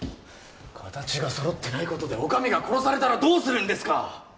形が揃ってないことでお上が殺されたらどうするんですか！